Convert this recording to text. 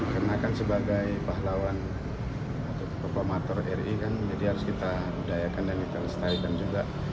karena kan sebagai pahlawan atau performator ri kan jadi harus kita budayakan dan kita lestarikan juga